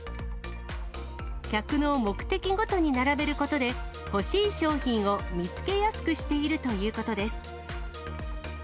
客の目的ごとに並べることで、欲しい商品を見つけやすくしているということです。